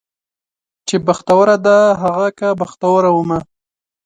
چې بختوره ده هغه که بختوره ومه